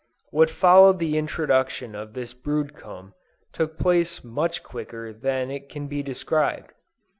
What followed the introduction of this brood comb, took place much quicker than it can be described.